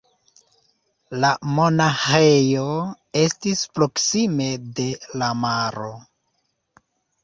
La monaĥejo estis proksime de la maro.